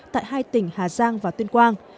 tại hai tỉnh hà giang và tuyên quang